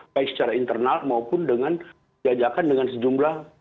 baik secara internal maupun dengan jajakan dengan sejumlah